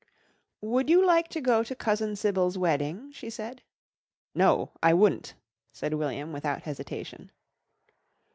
"Would you like to go to Cousin Sybil's wedding?" she said. "No, I wu'nt," said William without hesitation.